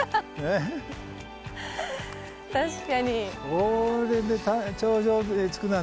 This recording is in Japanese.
確かに。